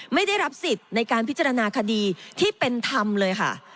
ไม่ได้รับสิทธิ์ในการพิจารณาคดีที่เป็นธรรมเลยค่ะ